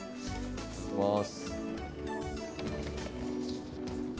いただきます。